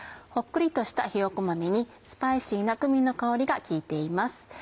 ほっくりとしたひよこ豆にスパイシーなクミンの香りが効いています。